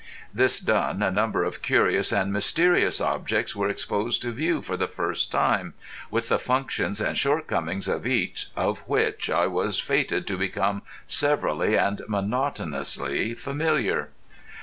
This done, a number of curious and mysterious objects were exposed to view for the first time, with the functions and shortcomings of each of which I was fated to become severally and monotonously familiar.